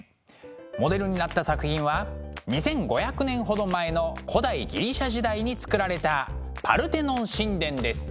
モデルになった作品は２，５００年ほど前の古代ギリシャ時代に造られたパルテノン神殿です。